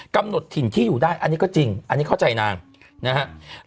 ถิ่นที่อยู่ได้อันนี้ก็จริงอันนี้เข้าใจนางนะครับ